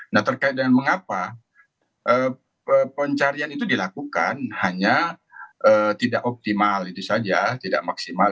nah terkait dengan mengapa pencarian itu dilakukan hanya tidak optimal itu saja tidak maksimal